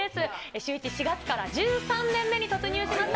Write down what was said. シューイチ、４月から１３年目に突入しました。